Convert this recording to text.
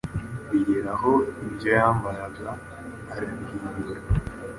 bigera aho ibyo yambaraga arabihindura